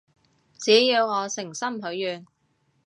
只要我誠心許願